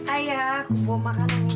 ayah aku bawa makanan nih buat ayah